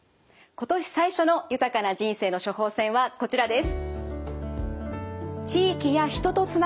今年最初の「豊かな人生の処方せん」はこちらです。